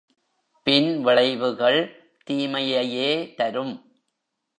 பின் விளைவுகள் தீமையையே தரும்.